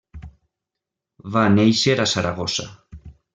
Va néixer a Saragossa.